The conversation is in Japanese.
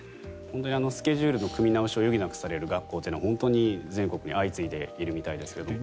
スケジュールの組み直しを余儀なくされる学校は本当に全国に相次いでいるみたいですが。